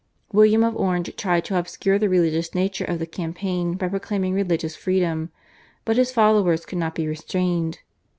William of Orange tried to obscure the religious nature of the campaign by proclaiming religious freedom, but his followers could not be restrained.